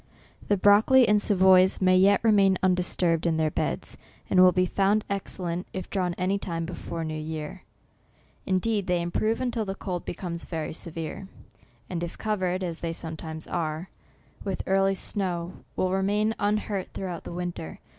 The broccoli and Savoys may yet remain undisturbed in their beds, and will be found excellent if drawn any time before new year. Indeed, they improve, until the cold becomes very severe, and if covered, as they some times are, with early snow, will remain un hurt throughout the winter.